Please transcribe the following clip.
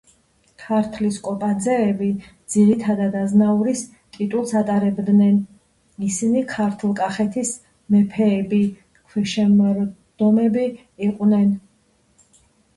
ქართლის კოპაძეები ძირითადად აზნაურის ტიტულს ატარებდნენ, ისინი ქართლ-კახეთის მეფეების ქვეშემრდომები იყვნენ.